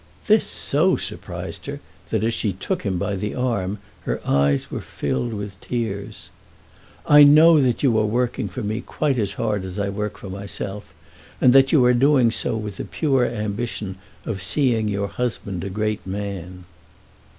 This so surprised her, that as she took him by the arm, her eyes were filled with tears. "I know that you are working for me quite as hard as I work myself, and that you are doing so with the pure ambition of seeing your husband a great man."